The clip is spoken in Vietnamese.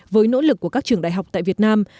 với nỗ lực của các trường đại học tại việt nam